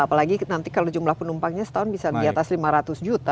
apalagi nanti kalau jumlah penumpangnya setahun bisa di atas lima ratus juta